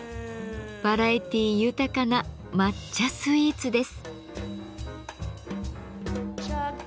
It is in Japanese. バラエティー豊かな抹茶スイーツです。